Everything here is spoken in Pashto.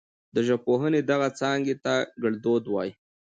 د ژبپوهنې دغې څانګې ته ګړدود وايي.